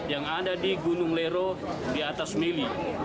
yang ada di gunung lero di atas mili